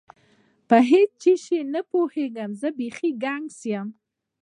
په هیڅ شي نه پوهېږم، زه بیخي ګنګس یم.